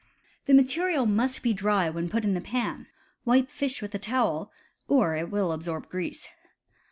The material must be dry when put in the pan (wipe fish with a towel) or it will absorb grease.